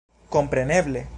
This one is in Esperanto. Kompreneble!